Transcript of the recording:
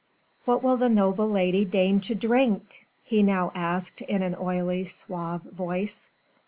"What will the noble lady deign to drink?" he now asked in an oily, suave voice.